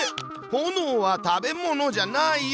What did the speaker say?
ほのおは食べ物じゃないよ。